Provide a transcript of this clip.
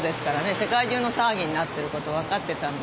世界中の騒ぎになってる事分かってたんで。